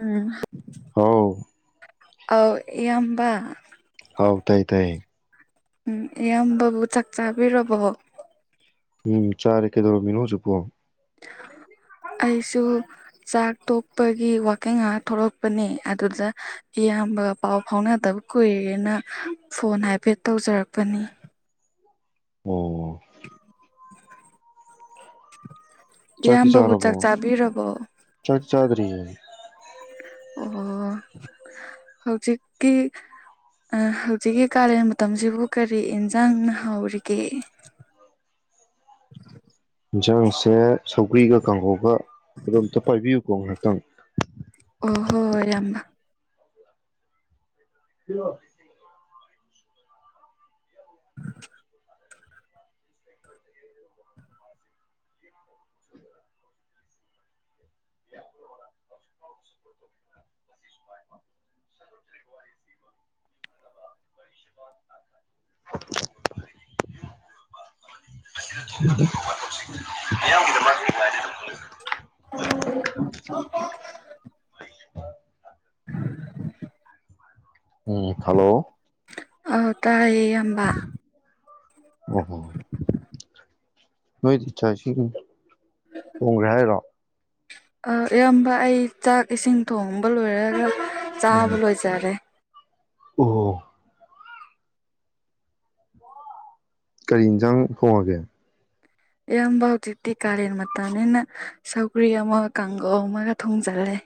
ꯎꯝ ꯍꯥꯎ ꯑꯥ ꯏꯌꯥꯝꯕ ꯍꯥꯎ ꯇꯥꯏꯌ‌ꯦ ꯇꯥꯏꯌ‌ꯦ ꯎꯝ ꯏꯌꯥꯝꯕꯕꯨ ꯆꯥꯛ ꯆꯥꯕꯤꯔꯕꯣ ꯎꯝ ꯆꯥꯔꯦ ꯀꯩꯗꯧꯔꯝꯃꯤꯅꯣ ꯍꯧꯖꯤꯛꯄꯣ ꯑꯩꯁꯨ ꯆꯥꯛ ꯇꯣꯛꯄꯒꯤ ꯋꯥꯀꯤꯡ ꯉꯍꯥꯛ ꯊꯣꯛꯂꯛꯄꯅꯤ ꯑꯗꯨꯗ ꯏꯌꯥꯝꯕꯒ ꯄꯥꯎ ꯐꯥꯎꯅꯗꯕ ꯀꯨꯏꯔꯦꯅ ꯐꯣꯟ ꯍꯥꯏꯐꯦꯠ ꯇꯧꯖꯔꯛꯄꯅꯤ ꯑꯣ [unintelligible] ꯆꯥꯛꯇꯤ ꯏꯌꯥꯝꯕꯕꯨ ꯆꯥꯔꯕꯣ ꯆꯥꯛ ꯆꯥꯕꯤꯔꯕꯣ ꯆꯥꯛ ꯆꯥꯗꯔꯤꯌ‌ꯦ ꯑꯩ ꯑꯣ ꯍꯧꯖꯤꯛꯀꯤ ꯑꯥ ꯍꯧꯖꯤꯛꯀꯤ ꯀꯥꯂꯦꯟ ꯃꯇꯝꯁꯤꯕꯨ ꯀꯔꯤ ꯑꯦꯟꯁꯥꯡꯅ ꯍꯥꯎꯔꯤꯒꯦ ꯑꯦꯟꯁꯥꯡꯁꯦ ꯁꯧꯒ꯭ꯔꯤꯒ ꯀꯥꯡꯒꯧꯒ ꯑꯗꯣ ꯑꯝꯇ ꯄꯥꯏꯕꯤꯌꯨꯀꯣ ꯉꯥꯏꯍꯥꯛꯇꯪ ꯑꯣ ꯍꯣꯏ ꯍ‌ꯣꯏ ꯏꯌꯥꯝꯕ [unintelligible] [unintelligible] [unintelligible] [unintelligible] ꯎꯝ ꯍꯜꯂꯣ ꯑꯥꯎ ꯇꯥꯏꯌꯦ ꯏꯌꯥꯝꯕ ꯑꯣꯍꯣ ꯅꯣꯏꯗꯤ ꯆꯥꯛ-ꯏꯁꯤꯡ ꯊꯣꯡꯒ꯭ꯔꯦ ꯍꯥꯏꯔꯣ ꯑꯥ ꯏꯌꯥꯝꯕ ꯑꯩ ꯆꯥꯛ ꯏꯁꯤꯡ ꯊꯣꯡꯕ ꯂꯣꯏꯔꯒ ꯆꯥꯕ ꯎꯝ ꯂꯣꯏꯖꯔꯦ ꯑꯣ ꯀꯔꯤ ꯑꯦꯟꯁꯥꯡ ꯊꯣꯡꯉꯒꯦ ꯏꯌꯥꯝꯕ ꯍꯧꯖꯤꯛꯇꯤ ꯀꯥꯂꯦꯟ ꯃꯇꯝꯅꯤꯅ ꯁꯧꯒ꯭ꯔꯤ ꯑꯃꯒ ꯀꯥꯡꯒꯧ ꯑꯃꯒ ꯊꯣꯡꯖꯜꯂꯦ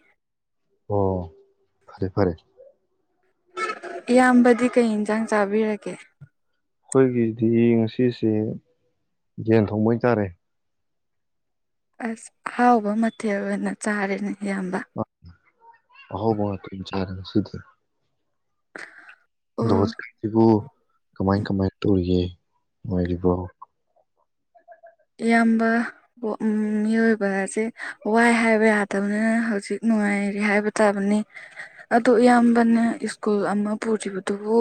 ꯑꯣ ꯐꯔꯦ-ꯐꯔꯦ ꯏꯌꯥꯝꯕꯗꯤ ꯀꯩ ꯑꯦꯟꯖꯥꯡ ꯆꯥꯕꯤꯔꯒꯦ ꯑꯈꯣꯏꯒꯤꯗꯤ ꯉꯁꯤꯁꯦ ꯌ‌ꯦꯟ ꯊꯣꯡꯕ ꯑꯣꯏꯅ ꯆꯥꯔ‌ꯦ ꯑꯁ ꯑꯍꯥꯎꯕ ꯃꯊꯦꯜ ꯑꯣꯏꯅ ꯆꯥꯔꯦꯅ ꯏꯌꯥꯝꯕ ꯑꯥ ꯑꯍꯥꯎꯕ ꯉꯥꯛꯇ ꯑꯣꯏꯅ ꯆꯥꯔ‌ꯦ ꯉꯁꯤꯗꯤ ꯑꯗꯣ ꯑꯣ ꯍꯧꯖꯤꯛꯀꯥꯟꯁꯤꯕꯨ ꯀꯃꯥꯏ-ꯀꯃꯥꯏ ꯇꯧꯔꯤꯒꯦ ꯅꯨꯡꯉꯥꯏꯔꯤꯕ꯭ꯔꯣ ꯏꯌꯥꯝꯕ ꯎꯝ ꯃꯤꯑꯣꯏꯕ ꯍꯥꯏꯖ‌ꯦ ꯋꯥꯏ ꯍꯥꯏꯕ ꯌꯥꯗꯕꯅꯤꯅ ꯍꯧꯖꯤꯛ ꯅꯨꯡꯉꯥꯏꯔꯤ ꯍꯥꯏꯕ ꯇꯥꯕꯅꯤ ꯑꯗ‌ꯣ ꯏꯌꯥꯝꯕꯅ ꯁ꯭ꯀꯨꯜ ꯑꯃ ꯄꯨꯔꯤꯕꯗꯨꯕꯨ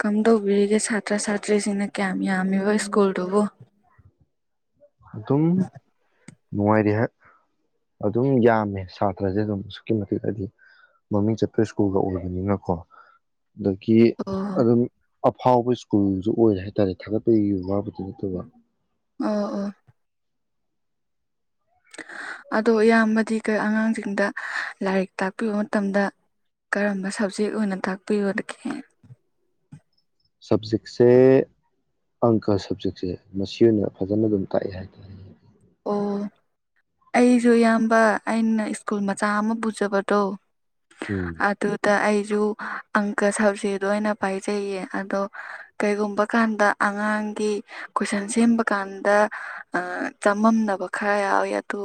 ꯀꯝꯗꯧꯕꯤꯔꯤꯒꯦ ꯁꯥ ꯁꯥꯇ꯭ꯔ-ꯁꯥꯇ‍꯭ꯔꯤꯁꯤꯡꯅ ꯀꯌꯥꯝ ꯌꯥꯝꯂꯤꯕ ꯁ꯭ꯀꯨꯜꯗꯨꯕꯨ ꯑꯗꯨꯝ ꯅꯨꯡꯉꯥꯏꯔꯤ ꯍꯥꯏ ꯑꯗꯨꯝ ꯌꯥꯝꯃꯦ ꯁꯥꯇ꯭ꯔꯖ‌ꯦ ꯑꯗꯨꯝ ꯑꯁꯨꯛꯀꯤ ꯃꯇꯤꯛ ꯍꯥꯏꯗꯤ ꯃꯃꯤꯡ ꯆꯠꯄ ꯁ꯭ꯀꯨꯜꯒ ꯑꯣꯏꯕꯅꯤꯅꯀꯣ ꯑꯗꯒꯤ ꯑꯣ ꯑꯗꯨꯝ ꯑꯐꯥꯎꯕ ꯁ꯭ꯀꯨꯜꯖꯨ ꯑꯣꯏꯔꯦ ꯍꯥꯏꯇꯥꯔꯦ ꯊꯥꯒꯠꯄꯒꯤ ꯋꯥꯕꯨꯗꯤ ꯅꯠꯇꯕ ꯑꯣ-ꯑꯣ ꯑꯗꯣ ꯏꯌꯥꯝꯕꯗꯤ ꯀꯩ ꯑꯉꯥꯡꯁꯤꯡꯗ ꯂꯥꯏꯔꯤꯛ ꯇꯥꯛꯄꯤꯕ ꯃꯇꯝꯗ ꯀꯔꯝꯕ ꯁ꯭ꯕꯖꯦꯛ ꯑꯣꯏꯅ ꯇꯥꯛꯄꯤꯕꯗꯒꯦ ꯁ꯭ꯕꯖꯦꯛꯁꯦ ꯑꯪꯀꯥ ꯁ꯭ꯕꯖꯦꯛꯁꯦ ꯃꯁꯤ ꯑꯣꯏꯅ ꯐꯖꯅ ꯑꯗꯨꯝ ꯇꯥꯛꯑꯦ ꯍꯥꯏꯇꯥꯔꯦ ꯑꯣ ꯑꯩꯖꯨ ꯏꯌꯥꯝꯕ ꯑꯩꯅ ꯁ꯭ꯀꯨꯜ ꯃꯆꯥ ꯑꯃ ꯄꯨꯖꯕꯗꯣ ꯎꯝ ꯑꯗꯨꯗ ꯑꯩꯖꯨ ꯑꯪꯀ ꯁꯞꯖꯦꯗ‌ꯣ ꯑꯩꯅ ꯄꯥꯏꯖꯩꯌꯦ ꯑꯗꯣ ꯀꯩꯒꯨꯝꯕ ꯀꯥꯟꯗ ꯑꯉꯥꯡꯒꯤ ꯀꯣꯏꯁꯟ ꯁꯦꯝꯕ ꯀꯥꯟꯗ ꯆꯃꯝꯅꯕ ꯈꯔ ꯌꯥꯎꯋꯤ ꯑꯗꯨ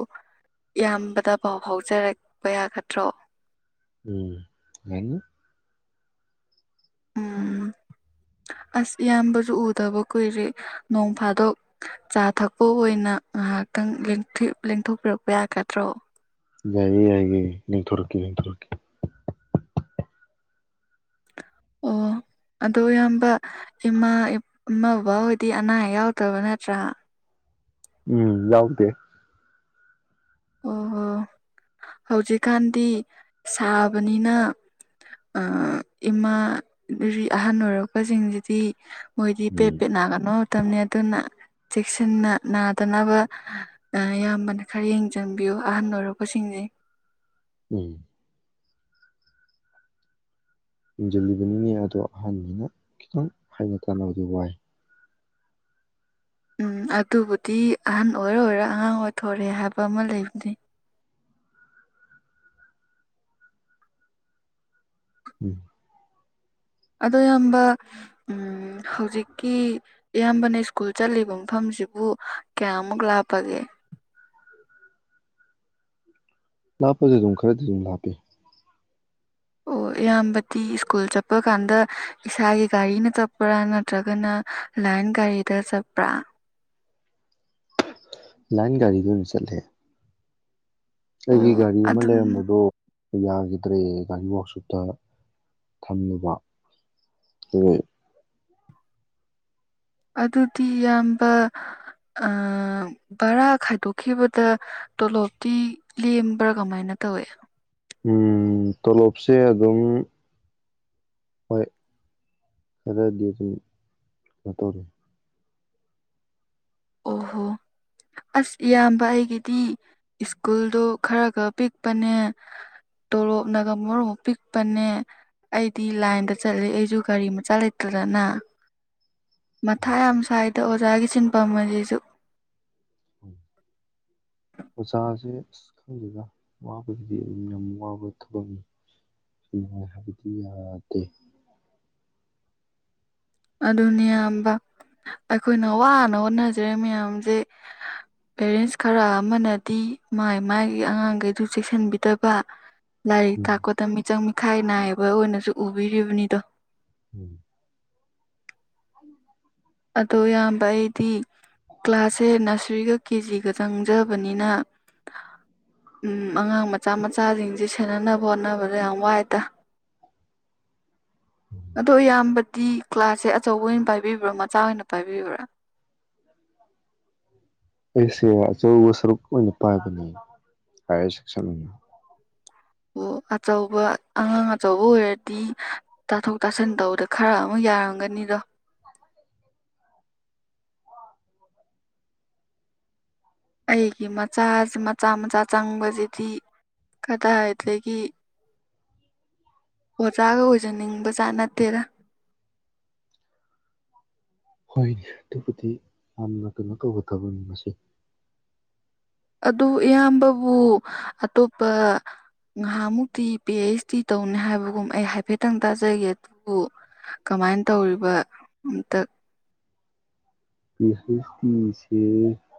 ꯏꯌꯥꯝꯕꯗ ꯄꯥꯎ ꯐꯥꯎꯖꯔꯛꯄ ꯌꯥꯒꯗ꯭ꯔꯣ ꯎꯝ ꯍꯥꯢꯅꯤ ꯎꯝ ꯑꯁ ꯏꯌꯥꯝꯕꯁꯨ ꯎꯗꯕ ꯀꯨꯏꯔꯦ ꯅꯣꯡ ꯐꯥꯗꯣꯛ ꯆꯥ ꯊꯛꯄ ꯑꯣꯏꯅ ꯉꯥꯏꯍꯥꯛꯇꯪ ꯂꯦꯡꯊꯣꯛꯄꯤꯔꯛꯄ ꯌꯥꯒꯗ꯭ꯔꯣ ꯌꯥꯏꯌꯦ ꯌꯥꯏꯌꯦ ꯂꯦꯡꯊꯣꯔꯛꯀꯦ ꯂꯦꯡꯊꯣꯔꯛꯀꯦ ꯑꯣ ꯑꯗꯣ ꯏꯌꯥꯝꯕ ꯏꯃꯥ ꯏꯃꯥ ꯕꯕꯥ ꯍꯣꯏꯗꯤ ꯑꯅꯥ ꯑꯌꯦꯛ ꯌꯥꯎꯗꯕ ꯅꯠꯇ꯭ꯔꯥ ꯎꯝ ꯌꯥꯎꯗꯦ ꯑꯣꯍꯣ ꯍꯧꯖꯤꯛꯀꯥꯟꯗꯤ ꯁꯥꯕꯅꯤꯅ ꯏꯃꯥ ꯑꯍꯜ ꯑꯣꯏꯔꯛꯄꯁꯤꯡꯁꯤꯗꯤ ꯃꯣꯏꯗꯤ ꯄꯦꯠ ꯎꯝ ꯄꯦꯠ ꯅꯥꯒꯟꯕ ꯃꯇꯝꯅꯤ ꯑꯗꯨꯅ ꯆꯦꯛꯁꯤꯟꯅ ꯅꯥꯗꯅꯕ ꯏꯌꯥꯝꯕꯅ ꯈꯔ ꯌꯦꯡ ꯆꯟꯕꯤꯌꯨ ꯑꯍꯟ ꯑꯣꯏꯔꯛꯄꯁꯤꯡꯁꯤ ꯎꯝ ꯌꯦꯡꯁꯤꯜꯂꯤꯕꯅꯤꯅꯦ ꯑꯗꯣ ꯑꯍꯥꯟꯕꯅ ꯈꯤꯇꯪ ꯍꯥꯏꯅ ꯇꯥꯟꯅꯕꯗꯤ ꯋꯥꯏ ꯎꯝ ꯑꯗꯨꯕꯨꯗꯤ ꯑꯍꯟ ꯑꯣꯏꯔ ꯑꯣꯏꯔ ꯑꯉꯥꯡ ꯑꯣꯏꯊꯣꯔꯦ ꯍꯥꯏꯕ ꯑꯃ ꯂꯩꯕꯅꯤ ꯎꯝ ꯑꯗꯣ ꯏꯌꯥꯝꯕ ꯎꯝ ꯍꯧꯖꯤꯛꯀꯤ ꯏꯌꯥꯝꯕꯅ ꯁ꯭ꯀꯨꯜ ꯆꯠꯂꯤꯕ ꯃꯐꯝꯁꯤꯕꯨ ꯀꯌꯥꯃꯨꯛ ꯂꯥꯞꯄꯒꯦ ꯂꯥꯞꯄꯁꯦ ꯑꯗꯨꯝ ꯈꯔꯗꯤ ꯑꯗꯨꯝ ꯂꯥꯞꯄꯤ ꯑꯣ ꯏꯌꯥꯝꯕꯗꯤ ꯁ꯭ꯀꯨꯜ ꯆꯠꯄ ꯀꯥꯟꯗ ꯏꯁꯥꯒꯤ ꯒꯥꯔꯤꯅ ꯆꯠꯄ꯭ꯔꯥ ꯅꯠꯇ꯭ꯔꯒꯅ ꯂꯥꯏꯟ ꯒꯥꯔꯤꯗ ꯆꯠꯄ꯭ꯔꯥ ꯂꯥꯏꯟ ꯒꯥꯔꯤꯗ ꯆꯠꯂꯦ ꯑꯩꯒꯤ ꯑꯣ ꯒꯥꯔꯤ ꯑꯃ ꯑꯗꯨ ꯂꯩꯔꯝꯕꯗꯣ ꯌꯥꯈꯤꯗ꯭ꯔꯦ ꯒꯥꯔꯤ ꯋꯥꯛꯁꯣꯞꯇ ꯊꯝꯂꯨꯕ ꯍꯣꯢ ꯑꯗꯨꯗꯤ ꯌꯥꯝꯕ ꯕꯔꯥ ꯈꯥꯏꯗꯣꯛꯈꯤꯕꯗ ꯇꯣꯂꯣꯞꯇꯤ ꯂꯦꯝꯕ꯭ꯔꯥ ꯀꯃꯥꯏꯅ ꯇꯧꯋꯦ ꯇꯣꯂꯣꯞꯁꯦ ꯑꯗꯨꯝ ꯍꯣꯏ ꯈꯔꯗꯤ ꯑꯗꯨꯝ ꯀꯩꯅꯣ ꯇꯧꯔꯤ ꯑꯣꯍꯣ ꯑꯁ ꯏꯌꯥꯝꯕ ꯑꯩꯒꯤꯗꯤ ꯁ꯭ꯀꯨꯜꯗꯣ ꯈꯔꯒ ꯄꯤꯛꯄꯅꯦ ꯇꯣꯂꯣꯞꯅꯒ ꯃꯔꯣꯃꯥ ꯄꯤꯛꯄꯟꯅꯦ ꯑꯩꯗꯤ ꯂꯥꯏꯟꯗ ꯆꯠꯂꯦ ꯑꯩꯁꯨ ꯒꯥꯔꯤ ꯃꯆꯥ ꯂꯩꯇꯗꯅ ꯃꯊꯥ ꯌꯥꯝ ꯁꯥꯏꯗ ꯑꯣꯖꯥꯒꯤ ꯁꯤꯟꯐꯝ ꯑꯁꯤꯁꯨ ꯑꯣꯖꯥꯁꯦ ꯑꯁ ꯈꯪꯗꯦꯒ ꯋꯥꯕꯒꯤꯗꯤ ꯑꯗꯨꯝ ꯌꯥꯝ ꯋꯥꯕ ꯊꯕꯛꯅꯤ ꯅꯨꯡꯉꯥꯏ ꯍꯥꯏꯕꯗꯤ ꯌꯥꯗꯦ ꯑꯗꯨꯅꯤꯌꯥꯝꯕ ꯑꯩꯈꯣꯏꯅ ꯋꯥꯅ ꯍꯣꯠꯅꯖꯔꯦ ꯃꯌꯥꯝꯁꯦ ꯄꯦꯔꯦꯟꯁ ꯈꯔ ꯑꯃꯅꯗꯤ ꯃꯥꯏ ꯃꯥꯥꯏꯒꯤ ꯑꯉꯥꯡꯈꯩꯗꯨ ꯆꯦꯛꯁꯤꯟꯕꯤꯗꯕ ꯂꯥꯏꯔꯤꯛ ꯎꯝ ꯇꯥꯛꯄꯗ ꯃꯤꯆꯪ ꯃꯤꯈꯥꯏ ꯅꯥꯏꯕ ꯑꯣꯏꯅꯁꯨ ꯎꯕꯤꯔꯤꯕꯅꯤꯗꯣ ꯎꯝ [unintelligible] ꯑꯗꯣ ꯏꯌꯥꯝꯕ ꯑꯩꯗꯤ ꯀ꯭ꯂꯥꯁꯁꯦ ꯅꯁꯔꯤꯒ ꯀꯦ ꯖꯤꯒ ꯆꯪꯖꯕꯅꯤꯅ ꯎꯝ ꯑꯉꯥꯡ ꯃꯆꯥ ꯃꯆꯥꯁꯤꯡꯁꯤ ꯁꯦꯟꯅꯅꯕ ꯍꯣꯠꯅꯕꯗ ꯌꯥꯝ ꯋꯥꯏꯇꯥ ꯑꯗꯣ ꯏꯌꯥꯝꯕꯗꯤ ꯀ꯭ꯂꯥꯁꯁꯦ ꯑꯆꯧꯕ ꯑꯣꯏꯅ ꯄꯥꯏꯕꯤꯕ꯭ꯔꯣ ꯆꯥ ꯑꯣꯏꯅ ꯄꯥꯏꯕꯤꯕ꯭ꯔꯥ [unintelligible] [inaudible] ꯑꯩꯁꯦ ꯑꯆꯧꯕ ꯁꯔꯨꯛ ꯑꯣꯏꯅ ꯄꯥꯏꯕꯅꯦ ꯍꯥꯌꯔ ꯁꯦꯛꯁꯟ ꯑꯣꯏꯅ ꯑꯣ ꯑꯆꯧꯕ ꯑꯉꯥꯡ ꯑꯆꯧꯕ ꯑꯣꯏꯔꯗꯤ ꯇꯥꯊꯣꯛ ꯇꯥꯁꯤꯟ ꯇꯧꯕꯗ ꯈꯔ ꯑꯃꯨꯛ ꯌꯥꯔꯝꯒꯅꯤꯗꯣ ꯑꯩꯒꯤ ꯃꯆꯥ ꯃꯆꯥ ꯃꯆꯥ ꯆꯪꯕꯁꯤꯗꯤ ꯀꯗꯥꯏꯗꯒꯤ ꯑꯣꯖꯥꯒ ꯑꯣꯏꯖꯅꯤꯡꯕꯖꯥꯠ ꯅꯠꯇꯦꯔ ꯍꯣꯏꯅꯦ ꯑꯗꯨꯕꯨꯗꯤ ꯌꯥꯝꯅ ꯀꯩꯅꯣ ꯇꯧꯕ ꯊꯕꯛꯅꯤ ꯃꯁꯤ ꯑꯗꯨ ꯏꯌꯥꯝꯕꯕꯨ ꯑꯇꯣꯞꯄ ꯉꯥꯏꯍꯥꯛꯃꯨꯛꯇꯤ ꯄꯤ ꯑꯩꯆ ꯗꯤ ꯇꯧꯅꯤ ꯍꯥꯏꯕꯒꯨꯝ ꯑꯩ ꯍꯥꯏꯐꯦꯠꯇꯪ ꯇꯥꯖꯒꯦ ꯑꯗꯨꯕꯨ ꯀꯃꯥꯏꯅ ꯇꯧꯔꯤꯕ ꯑꯝꯇ ꯍꯁꯇꯤꯁꯦ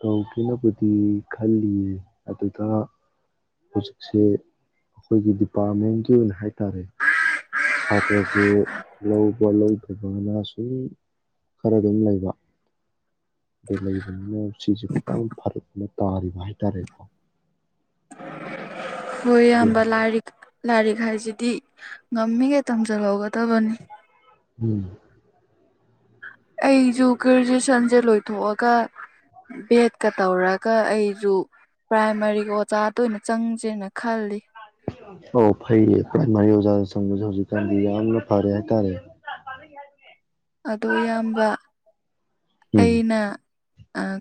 ꯀꯧꯒꯦꯅꯕꯨꯗꯤ ꯈꯜꯂꯤ ꯑꯗꯨꯗ ꯍꯧꯖꯤꯛꯁꯦ ꯑꯩꯈꯣꯏꯒꯤ ꯗꯤꯄꯥꯔꯠꯃꯦꯟꯒꯤ ꯑꯣꯏꯅ ꯍꯥꯏꯇꯥꯔꯦ ꯁꯥꯇ꯭ꯔꯁꯦ ꯂꯧꯕ ꯂꯧꯗꯕꯅ ꯁꯨꯝ ꯈꯔ ꯑꯗꯨꯝ ꯂꯩꯕ ꯑ ꯂꯩꯕꯅꯤꯅ ꯁꯤꯁꯨ ꯈꯤꯇꯪ ꯐꯔꯛ ꯑꯃ ꯇꯥꯔꯤꯕ ꯍꯥꯏꯇꯥꯔꯦꯀꯣ ꯍꯣꯏ ꯏꯌꯥꯝꯕ ꯑꯗꯨꯅ ꯂꯥꯏꯔꯤ ꯂꯥꯏꯔꯤꯛ ꯍꯥꯏꯁꯤꯗꯤ ꯉꯝꯃꯤꯉꯩ ꯇꯝꯖꯤꯟ ꯍꯧꯒꯗꯕꯅꯤ ꯎꯝ ꯑꯩꯁꯨ ꯒ꯭ꯔꯦꯖꯨꯦꯁꯟꯁꯦ ꯂꯣꯏꯊꯣꯛꯑꯒ ꯕꯦꯠꯀ ꯇꯧꯔꯒ ꯑꯩꯁꯨ ꯄ꯭ꯔꯥꯏꯃꯥꯔꯤꯒ ꯑꯣꯖꯥ ꯇꯣꯏꯅ ꯆꯪꯁꯦꯅ ꯈꯜꯂꯤ ꯑꯣ ꯐꯩꯌꯦ ꯐ ꯃꯔꯤ ꯑꯣꯖꯥꯗ ꯆꯪꯕꯁꯦ ꯍꯧꯖꯤꯛꯀꯥꯟꯗꯤ ꯌꯥꯝꯅ ꯐꯔꯦ ꯍꯥꯏꯇꯥꯔꯦ ꯑꯗꯨ ꯑꯌꯥꯝꯕ ꯎꯝ ꯑꯩꯅ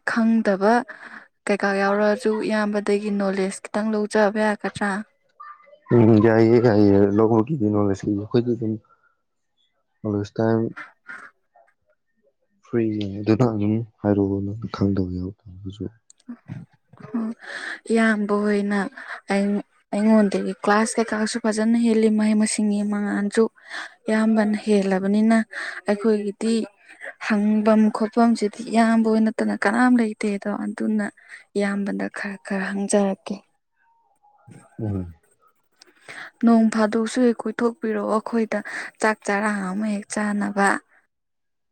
ꯈꯪꯗꯕ ꯀꯩꯀꯥ ꯌꯥꯎꯔꯁꯨ ꯏꯌꯥꯝꯕꯗꯒꯤ ꯅꯣꯂꯦꯖ ꯈꯤꯇꯪ ꯂꯧꯖꯕ ꯌꯥꯒꯗ꯭ꯔꯥ ꯎꯝ ꯌꯥꯏꯌꯦ ꯌꯥꯏꯌꯦ ꯂꯒꯤꯗꯤ ꯅꯣꯂꯦꯖ ꯑꯩꯈꯣꯏꯒꯤ ꯑꯗꯨꯝ ꯑꯂꯥꯏꯁ ꯇꯥꯏꯝ ꯐ꯭ꯔꯤ ꯌꯥ ꯑꯗꯨꯅ ꯑꯗꯨꯝ ꯍꯥꯏꯔꯛꯑꯣꯅ ꯈꯪꯗꯕ ꯌꯥꯎ ꯇꯥꯔꯒꯁꯨ ꯑꯣ ꯏꯌꯥꯝꯕ ꯑꯣꯏꯅ ꯑ ꯑꯩꯉꯣꯟꯗꯒꯤ ꯀ꯭ꯂꯥꯁ ꯀꯩꯀꯥꯁꯨ ꯐꯖꯅ ꯍꯦꯜꯂꯤ ꯃꯍꯩ ꯃꯁꯤꯡꯒꯤ ꯃꯉꯥꯜꯁꯨ ꯑꯌꯥꯝꯕꯅ ꯍꯦꯜꯂꯕꯅꯤꯅ ꯑꯩꯈꯣꯏꯒꯤꯗꯤ ꯍꯪꯐꯝ ꯈꯣꯠꯐꯝꯁꯤꯗꯤ ꯏꯌꯥꯝꯕ ꯅꯠꯇꯅ ꯀꯅꯥꯝ ꯂꯩꯇꯦꯗꯣ ꯑꯗꯨꯅ ꯏꯌꯥꯝꯕꯗ ꯈꯔ ꯈꯔ ꯍꯪꯖꯔꯛꯀꯦ ꯎꯝ ꯅꯣꯡ ꯐꯥꯗꯣꯛꯁꯨ ꯍꯦꯛ ꯀꯣꯏꯊꯣꯛꯄꯤꯔꯛꯑꯣ ꯑꯩꯈꯣꯏꯗ ꯆꯥꯛ ꯆꯔꯥꯡ ꯑꯃ ꯍꯦꯛ ꯆꯥꯅꯕ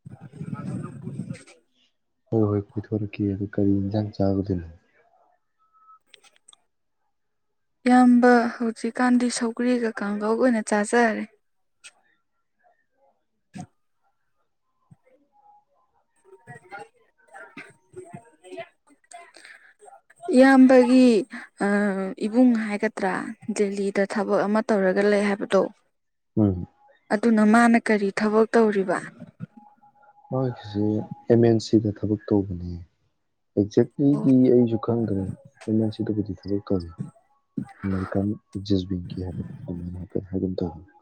[unintelligible] ꯍꯣꯏ ꯍꯣꯏ ꯀꯣꯏꯊꯣꯔꯛꯀꯦ ꯑꯗꯨ ꯀꯔꯤ ꯌꯦꯟꯁꯥꯡ ꯆꯥꯒꯗꯣꯏꯅꯣ ꯏꯌꯥꯝꯕ ꯍꯧꯖꯤꯛꯀꯥꯟꯗꯤ ꯁꯧꯒ꯭ꯔꯤꯒ ꯀꯥꯡꯒꯧꯎ ꯑꯣꯏꯅ ꯆꯥꯖꯔꯦ [unintelligible] ꯏꯌꯥꯝꯕꯒꯤ ꯏꯕꯨꯡ ꯍꯥꯏꯒꯗ꯭ꯔꯥ ꯗꯦꯜꯂꯤꯗ ꯊꯕꯛ ꯑꯃ ꯇꯧꯔꯒ ꯂꯩ ꯍꯥꯏꯕꯗꯣ ꯎꯝ ꯑꯗꯨꯅ ꯃꯥꯅ ꯀꯔꯤ ꯊꯕꯛ ꯇꯧꯔꯤꯕ ꯃꯥꯏꯒꯤꯁꯤ ꯑꯦꯝ ꯑꯦꯟ ꯁꯤꯗ ꯊꯕꯛ ꯇꯧꯕꯅꯦ ꯑꯦꯛꯖꯦꯛꯂꯤꯗꯤ ꯑꯩꯁꯨ ꯈꯪꯗ꯭ꯔꯦ ꯑꯩꯅ ꯁꯤꯗꯕꯨꯗꯤ ꯊꯕꯛ ꯇꯧꯋ [unintelligible]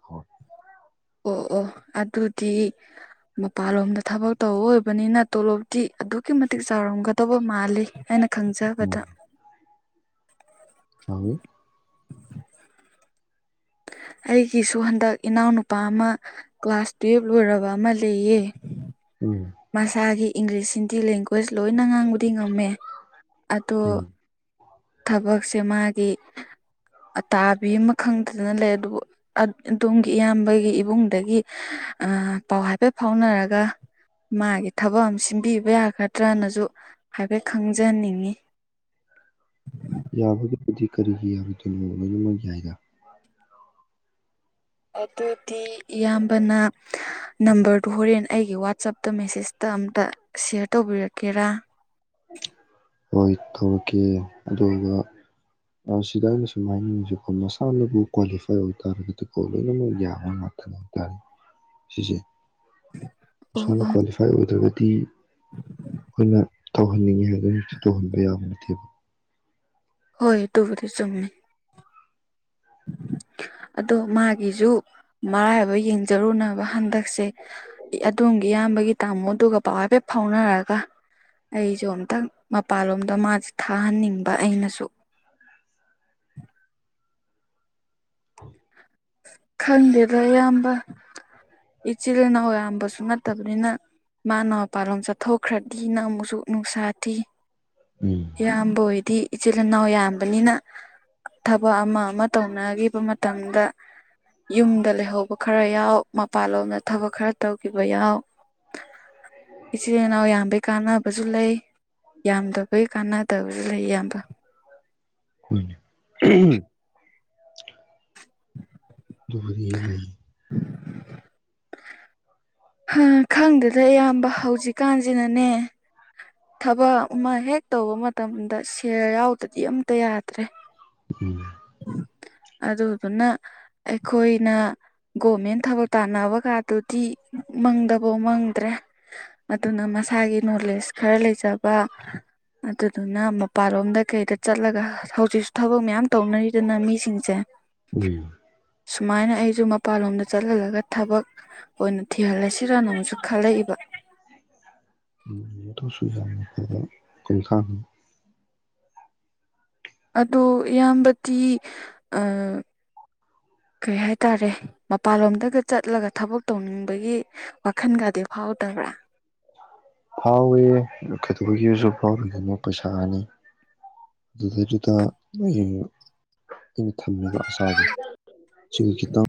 ꯑꯣ ꯑꯣ ꯑꯗꯨꯗꯤ ꯃꯄꯥꯟꯂꯣꯝꯗ ꯊꯕꯛ ꯇꯧꯕ ꯑꯣꯏꯕꯅꯤꯅ ꯇꯣꯂꯣꯞꯇꯤ ꯑꯗꯨꯛꯀꯤ ꯃꯇꯤꯛ ꯆꯥꯎꯔꯝꯒꯗꯧꯕ ꯃꯥꯜꯂꯤ ꯍꯥꯏꯅ ꯈꯪꯖꯕꯗ ꯎꯝ ꯆꯥꯎꯏ ꯑꯩꯒꯤꯁꯨ ꯍꯟꯗꯛ ꯏꯅꯥꯎꯅꯨꯄꯥ ꯑꯃ ꯀ꯭ꯂꯥꯁ ꯇꯨꯌꯦꯜꯕ ꯂꯣꯏꯔꯕ ꯑꯃ ꯂꯩꯌꯦ ꯎꯝ ꯃꯁꯥꯒꯤ ꯏꯪꯂꯤꯁ ꯍꯤꯟꯗꯤ ꯂꯦꯡꯒ꯭ꯋꯦꯖ ꯂꯣꯏꯅ ꯉꯥꯡꯕꯗꯤ ꯉꯝꯃꯦ ꯑꯗꯣ ꯎꯝ ꯊꯕꯛꯁꯦ ꯃꯥꯒꯤ ꯑꯇꯥꯕꯤ ꯑꯃ ꯈꯪꯈꯅ ꯂꯩ ꯑꯗꯨꯕꯨ꯫ ꯑꯗꯣꯝꯒꯤ ꯏꯌꯥꯝꯕꯒꯤ ꯏꯕꯨꯡꯗꯒꯤ ꯑ ꯄꯥꯎ ꯍꯥꯏꯐꯦꯠ ꯐꯥꯎꯅꯔꯒ ꯃꯥꯒꯤ ꯊꯕꯛ ꯑꯃ ꯁꯤꯟꯕꯤꯕ ꯌꯥꯒꯗ꯭ꯔꯅꯁꯨ ꯍꯥꯏꯐꯦꯠ ꯈꯪꯖꯅꯤꯡꯉꯤ꯫ [inaudible] ꯌꯥꯕꯨꯗꯤ ꯀꯔꯤꯒꯤ ꯌꯥꯔꯣꯏꯗꯣꯏꯅꯣ ꯂꯣꯏꯅꯃꯛ ꯌꯥꯏꯗ꯫ ꯑꯗꯨꯗꯤ ꯏꯌꯥꯝꯕꯅ ꯅꯝꯕꯔꯗꯨ ꯍꯣꯔꯦꯟ ꯑꯩꯒꯤ ꯋꯥꯆꯞꯇ ꯃꯦꯁꯦꯖꯇ ꯑꯝꯇ꯫ ꯁꯤꯌꯔ ꯇꯧꯕꯤꯔꯛꯀꯦꯔꯥ ꯍꯣꯏ ꯇꯧꯔꯛꯀꯦ ꯑꯗꯨꯝꯕ [unintelligible] ꯃꯁꯥꯅꯕꯨ ꯀ꯭ꯋꯥꯂꯤꯐꯥꯏ ꯑꯣꯏ ꯇꯥꯔꯒꯗꯤ ꯀꯣ ꯂꯣꯏꯅꯃꯛ ꯌꯥꯕ ꯉꯥꯛꯇꯅꯦ ꯇ ꯁꯤꯖꯦ ꯑꯣ ꯁꯥꯅ ꯑꯣ ꯀ꯭ꯋꯥꯂꯤꯐꯥꯏ ꯑꯣꯏꯗ꯭ꯔꯒꯗꯤ ꯈꯣꯏꯅ ꯇꯧꯍꯟꯅꯤꯡꯉꯦꯗꯅ ꯇꯧꯍꯟꯕ ꯌꯥꯕ ꯅꯠꯇꯦꯕ꯫ ꯍꯣꯏ ꯗꯨꯕꯨꯗꯤ ꯆꯨꯝꯃꯦ꯫ ꯑꯗꯣ ꯃꯥꯒꯤꯖꯨ ꯃꯔꯥꯏꯕꯛ ꯌꯦꯡꯖꯔꯨꯅꯕ ꯍꯟꯗꯛꯁꯦ꯫ ꯑꯗꯣꯝꯒꯤ ꯏꯌꯥꯝꯕꯒꯤ ꯇꯥꯃꯣꯗꯨꯒ ꯄꯥꯎ ꯍꯥꯏꯐꯦꯞ ꯐꯥꯎꯅꯔꯒ꯫ ꯑꯩꯁꯨ ꯑꯝꯇꯪ ꯃꯄꯥꯟꯂꯣꯝꯗ ꯃꯥꯁꯦ ꯊꯥꯍꯟꯅꯤꯡꯕ ꯑꯩꯅꯁꯨ꯫ [inaudible] ꯈꯪꯗꯦꯗ ꯏꯌꯥꯝꯕ ꯏꯆꯤꯜ ꯏꯅꯥꯎ ꯌꯥꯝꯕꯁꯨ ꯅꯠꯇꯝꯅꯤꯅ ꯃꯥꯅ ꯃꯄꯥꯥꯟꯂꯣꯝ ꯆꯠꯊꯣꯛꯈ꯭ꯔꯗꯤꯅ ꯑꯃꯨꯛꯁꯨ ꯅꯨꯡꯁꯥ ꯊꯤ꯫ [inaudible] ꯏꯌꯥꯝꯕ ꯑꯣꯏꯗꯤ ꯏꯆꯤꯜ ꯏꯅꯥꯎ ꯌꯥꯝꯕꯅꯤꯅ ꯊꯕꯛ ꯑꯃ ꯑꯃ ꯇꯧꯅꯒꯤꯕ ꯃꯇꯝꯗ ꯌꯨꯝꯗ ꯂꯩꯍꯧꯕ ꯈꯔ ꯌꯥꯎ ꯃꯄꯜꯂꯣꯝꯗ ꯊꯕꯛ ꯈꯔ ꯇꯧꯈꯤꯕ ꯌꯥꯎ꯫ ꯏꯆꯤꯜ ꯏꯅꯥꯎ ꯌꯥꯝꯕꯩ ꯀꯥꯟꯅꯕꯁꯨ ꯂꯩ꯫ ꯌꯥꯝꯗꯕꯩ ꯀꯥꯟꯅꯗꯕꯁꯨ ꯂꯩ ꯏꯌꯥꯝꯕ꯫ [unintelligible] ꯗꯨꯕꯨꯗꯤ ꯂꯩ [inaudible] ꯍ ꯈꯪꯗꯦꯗ ꯏꯌꯥꯝꯕ ꯍꯧꯖꯤꯛꯀꯥꯟꯁꯤꯅꯅꯦ ꯊꯕꯛ ꯑꯃ ꯍꯦꯛ ꯇꯧꯕ ꯃꯇꯝꯗ ꯁꯦꯜ ꯌꯥꯎꯗꯗꯤ ꯑꯝꯇ ꯌꯥꯗ꯭ꯔꯦ ꯎꯝ ꯑꯗꯨꯗꯨꯅ ꯑꯩꯈꯣꯏꯅ ꯒꯣꯃꯦꯟ ꯊꯕꯛ ꯇꯥꯟꯅꯕ ꯀꯥꯗꯨꯗꯤ ꯃꯪꯗꯐꯥꯎ ꯃꯪꯗ꯭ꯔꯦ꯫ ꯑꯗꯨꯅ ꯃꯁꯥꯒꯤ ꯅꯣꯂꯦꯖ ꯈꯔ ꯂꯩꯖꯕ ꯑꯗꯨꯗꯨꯅ ꯃꯄꯥꯟꯂꯣꯝꯗ ꯀꯩꯗ ꯆꯠꯂꯒ ꯍꯧꯖꯤꯛꯁꯨ ꯊꯕꯛ ꯃꯌꯥꯝ ꯇꯧꯅꯔꯤꯗꯅ ꯃꯤꯁꯤꯡꯁꯦ꯫ ꯎꯝ ꯁꯨꯃꯥꯏꯅ ꯑꯩꯁꯨ ꯃꯄꯥꯟꯂꯣꯝꯗ ꯆꯠꯍꯜꯂꯒ ꯊꯕꯛ ꯑꯣꯏꯅꯥ ꯊꯤꯍꯜꯂꯁꯤꯔꯅ ꯑꯃꯨꯛꯁꯨ ꯈꯜꯂꯛꯏꯕ꯫ [unintelligible] ꯈꯣꯡꯊꯥꯡ ꯑꯗꯣ ꯏꯌꯥꯝꯕꯗꯤ ꯑ ꯀꯩ ꯍꯥꯏꯇꯥꯔꯦ ꯃꯄꯥꯟꯂꯣꯝꯗꯒ ꯆꯠꯂꯒ ꯊꯕꯛ ꯇꯧꯅꯤꯡꯕꯒꯤ ꯋꯥꯈꯟꯒꯗꯤ ꯐꯥꯎꯗꯕ꯭ꯔꯥ꯫ ꯐꯥꯎꯋꯦ ꯀꯩꯗꯧꯕꯒꯤꯁꯨ ꯐꯥꯎꯔꯣꯏꯗꯣꯏꯅꯣ ꯄꯩꯁꯥꯅꯤ꯫ ꯑꯗꯨꯗꯩꯗꯨꯗ ꯑꯩ ꯑꯩꯅ ꯊꯝꯃꯤꯕ ꯑꯁꯥꯒꯤ ꯁꯨꯝ ꯈꯤꯇꯪ